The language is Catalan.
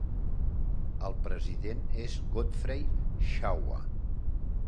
El president és Godfrey Shawa.